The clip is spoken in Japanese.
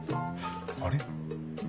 あれ？